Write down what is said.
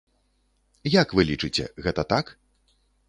Як вы лічыце, гэта так?